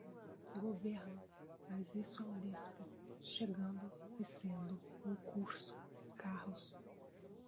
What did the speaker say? governo, mas isso é um bispo, chegando, e sendo, um curso, carros